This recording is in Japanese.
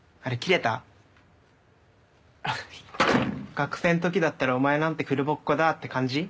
学生んときだったらお前なんてフルボッコだぁって感じ？